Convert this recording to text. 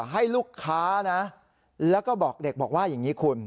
ให้ลูกค้านะแล้วก็บอกเด็กบอกว่าอย่างนี้คุณ